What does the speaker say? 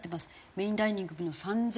メインダイニング３０００